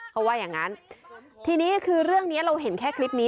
เขาว่าอย่างนั้นทีนี้คือเรื่องนี้เราเห็นแค่คลิปนี้